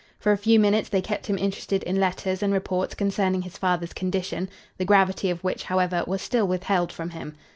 For a few minutes they kept him interested in letters and reports concerning his father's condition, the gravity of which, however, was still withheld from him.